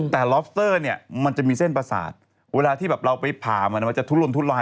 แต่ลอฟสเตอร์เนี่ยมันจะมีเส้นประสาทเวลาที่แบบเราไปผ่ามันมันจะทุลนทุลาย